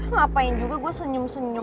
ngapain juga gue senyum senyum